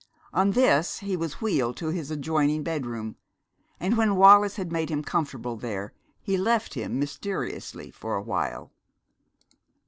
On this he was wheeled to his adjoining bedroom, and when Wallis had made him comfortable there, he left him mysteriously for a while.